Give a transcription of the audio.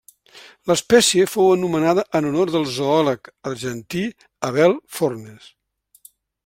L'espècie fou anomenada en honor del zoòleg argentí Abel Fornes.